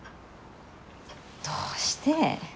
どうして？